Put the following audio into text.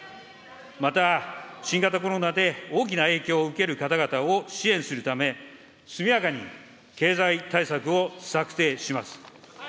また、新型コロナで大きな影響を受ける方々を支援するため、速やかに経済対策を策定します。